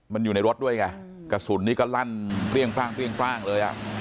มันอยู่ในรถด้วยไงกระสุนนี้ก็ลั่นเปรี้ยงปร่างเลยอ่ะ